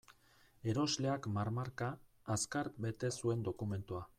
Erosleak marmarka, azkar bete zuen dokumentua.